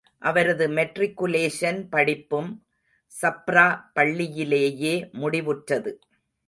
அவரது மெட்ரிகுலேஷன் படிப்பும், சப்ரா பள்ளியிலேயே முடிவுற்றது.